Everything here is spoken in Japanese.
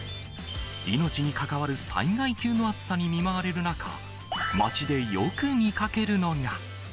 命に関わる災害級の暑さに見舞われる中、街でよく見かけるのが。